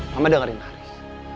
mama dengerin haris